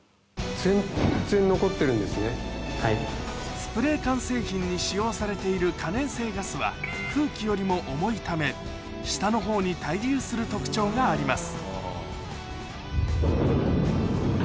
スプレー缶製品に使用されている可燃性ガスは空気よりも重いため下のほうに滞留する特徴があります